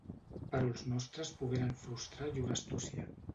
Però els nostres pogueren frustrar llur astúcia.